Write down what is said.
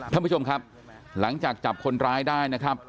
ท่านผู้ชมครับหลังจากจับคนร้ายได้นะครับ